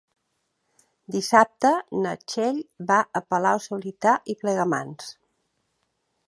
Dissabte na Txell va a Palau-solità i Plegamans.